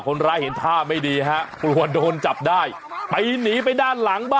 คนร้ายเห็นท่าไม่ดีครับ